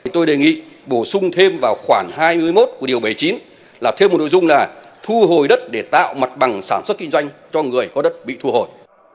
tôi đề nghị bổ sung thêm vào khoảng hai mươi một của điều bảy mươi chín là thêm một nội dung là thu hồi đất để tạo mặt bằng sản xuất kinh doanh cho người có đất bị thu hồi